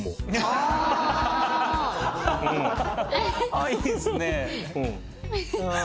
あっいいですね。